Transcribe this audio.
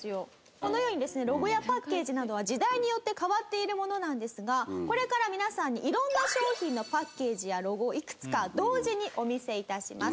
このようにですねロゴやパッケージなどは時代によって変わっているものなんですがこれから皆さんに色んな商品のパッケージやロゴをいくつか同時にお見せ致します。